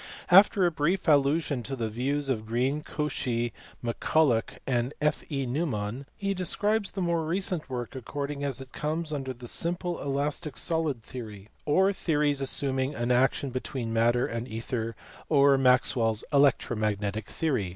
After a brief allusion to the views of Green, Cauchy, Mac Cullagh, and F. E. Neumann, he describes the more recent work according as it conies under the simple elastic solid theory ; or theories assuming an action between matter and ether; or Maxwell s electromagnetic theory.